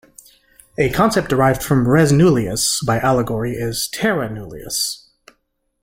A concept derived from "res nullius" by allegory is "terra nullius".